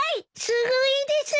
すごいです！